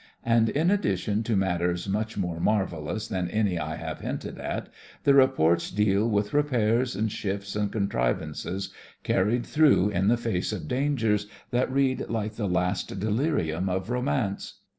And in addition to matters much more marvellous than any I have hinted at, the reports deal with repairs and shifts and contrivances carried through in the face of dangers that read like the last delirium of romance.